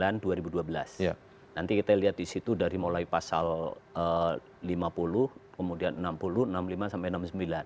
nanti kita lihat di situ dari mulai pasal lima puluh kemudian enam puluh enam puluh lima sampai enam puluh sembilan